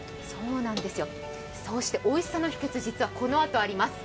おいしさの秘けつ、実はこのあとあります。